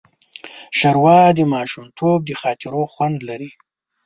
ښوروا د ماشومتوب د خاطرو خوند لري.